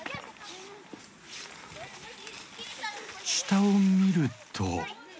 下を見ると。